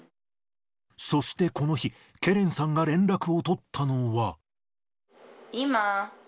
そしてこの日、ケレンさんが連絡を取ったのは。